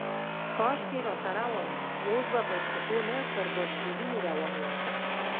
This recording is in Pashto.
کاشکې راسره وای، اوس به پر پښو، نه پر بایسکلونو روان وای.